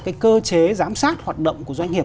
cái cơ chế giám sát hoạt động của doanh nghiệp